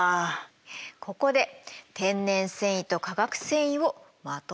ここで天然繊維と化学繊維をまとめてみましょう。